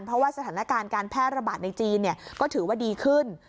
เพราะว่าสถานการณ์การแพร่ระบาดในจีนก็ถือว่าดีขึ้น